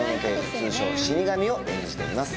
通称死神を演じています。